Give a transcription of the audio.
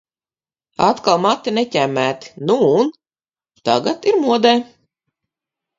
Atkal mati neķemmēti. Nu un! Tagad ir modē.